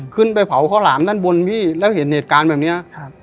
ขึ้นไปเผาข้าวหลามด้านบนพี่แล้วเห็นเหตุการณ์แบบเนี้ยครับ